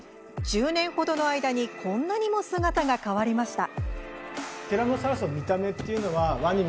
１０年ほどの間にこんなにも姿が変わりました。